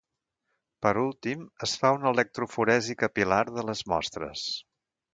Per últim, es fa una electroforesi capil·lar de les mostres.